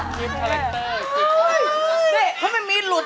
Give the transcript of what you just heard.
เป็นเรื่องราวของแม่นาคกับพี่ม่าครับ